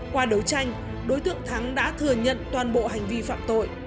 qua đấu tranh đối tượng thắng đã thừa nhận toàn bộ hành vi phạm tội